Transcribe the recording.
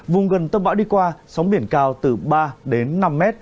vùng gần tâm bão đi qua sóng biển cao từ ba đến năm mét